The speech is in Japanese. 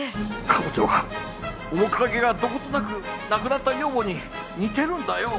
彼女は面影がどことなく亡くなった女房に似てるんだよ。